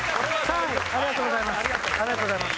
ありがとうございます。